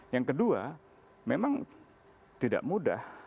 yang kedua memang tidak mudah